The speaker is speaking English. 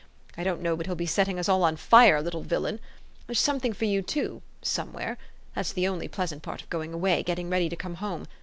I don't know but he'll be set ting us all on fire, little villain ! There's something for you, too, somewhere. That's the only pleasant part of going away, getting ready to come home.